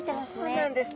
そうなんです。